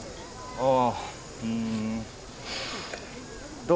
ああ。